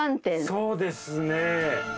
そうですね。